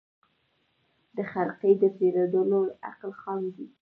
د خرقې د پېرودلو عقل خام دی